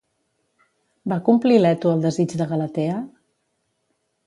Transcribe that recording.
Va complir Leto el desig de Galatea?